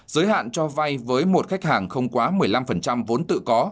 giới hạn cho vay với một khách hàng không quá một mươi năm vốn tự có